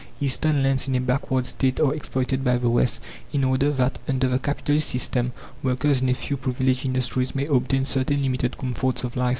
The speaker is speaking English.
Eastern lands in a backward state are exploited by the West, in order that, under the capitalist system, workers in a few privileged industries may obtain certain limited comforts of life.